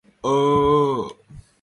Chess Championships.